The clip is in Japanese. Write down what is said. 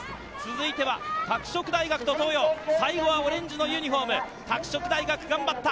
続いては拓殖大学と東洋、最後はオレンジのユニホーム、拓殖大学、頑張った！